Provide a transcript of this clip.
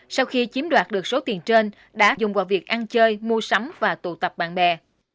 sau khi chiếm đoạt được số tiền trên đã dùng vào việc ăn chơi mua sắm và tụ tập bạn bè